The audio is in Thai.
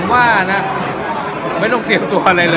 ผมว่านะไม่ต้องเตรียมตัวอะไรเลย